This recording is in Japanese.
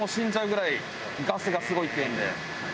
ガスがすごいっていうんで。